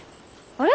あれ？